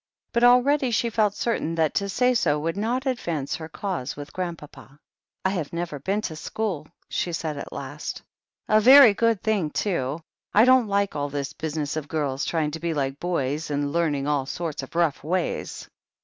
But already she felt certain that to say so would not advance her cause with Grandpapa. "I have never been to school," she said at last THE HEEL OF ACHILLES 13 ''A very good thing too. I don't like all this business of girls trying to be like boys, and learning all sorts of rough ways."